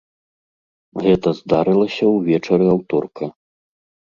Гэта здарылася ўвечары аўторка.